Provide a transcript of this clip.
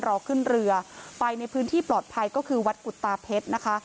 รอขึ้นเรือไปในพื้นที่ปลอดภัยก็คือวัดกุตาเพชรนะคะ